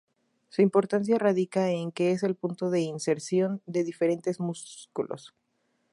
Su importancia radica en que es el punto de inserción de diferentes músculos.